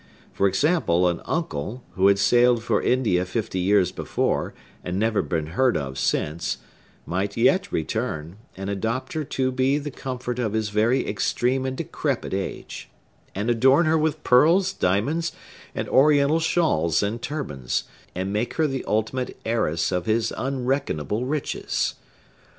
For example, an uncle—who had sailed for India fifty years before, and never been heard of since—might yet return, and adopt her to be the comfort of his very extreme and decrepit age, and adorn her with pearls, diamonds, and Oriental shawls and turbans, and make her the ultimate heiress of his unreckonable riches.